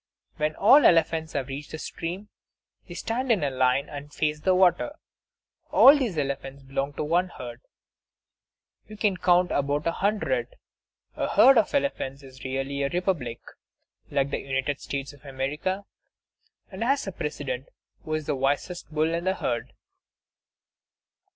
When all the elephants have reached the stream, they stand in line and face the water. All these elephants belong to one herd; you can count about a hundred. A herd of elephants is really a republic, like the United States of America, and has a President, who is the wisest bull in the herd.